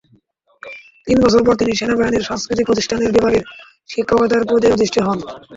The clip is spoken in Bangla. তিন বছর পর তিনি সেনাবাহিনীর সাংস্কৃতিক প্রতিষ্ঠানের বিভাগে শিক্ষকতার পদে অধিষ্ঠিত হন।